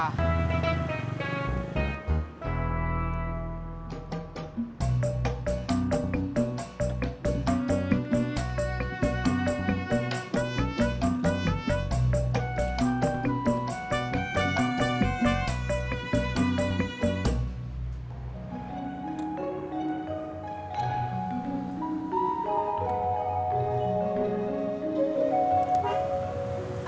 oh pak sofyan